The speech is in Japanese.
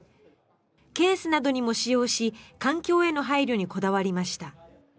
ケースなどにも使用し環境への配慮にこだわりました。